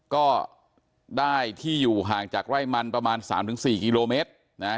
ก็ได้ที่อยู่ห่างจากไร่มันประมาณ๓๔กิโลเมตรนะฮะ